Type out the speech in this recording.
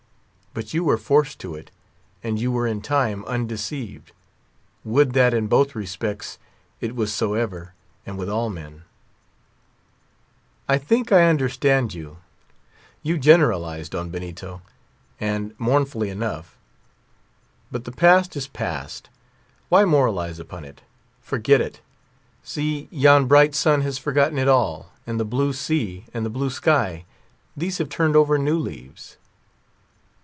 But you were forced to it; and you were in time undeceived. Would that, in both respects, it was so ever, and with all men." "You generalize, Don Benito; and mournfully enough. But the past is passed; why moralize upon it? Forget it. See, yon bright sun has forgotten it all, and the blue sea, and the blue sky; these have turned over new leaves."